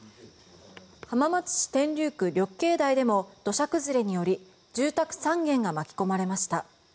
浜松市天竜区緑恵台でも土砂崩れにより住宅３軒が巻き込まれました。